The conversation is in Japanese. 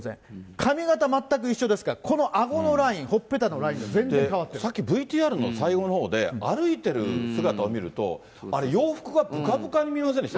髪形、全く一緒ですから、このあごのライン、ほっぺたのラインが全然変さっきＶＴＲの最後のほうで、歩いてる姿を見ると、あれ、洋服がぶかぶかに見えませんでした？